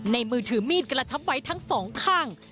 มือถือมีดกระชับไว้ทั้งสองข้าง